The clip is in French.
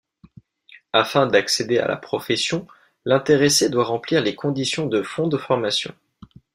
Afin d'accéder à la profession, l'intéressé doit remplir les conditions de fond de formation.